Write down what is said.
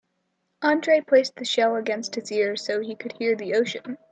Andreas placed the shell against his ear so he could hear the ocean.